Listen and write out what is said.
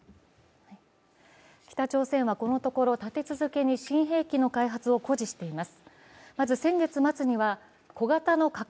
北朝鮮はこのところ立て続けに新兵器の開発を誇示しています。